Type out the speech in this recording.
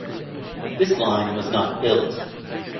This line was not built.